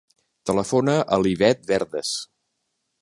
Telefona a l'Ivet Verdes.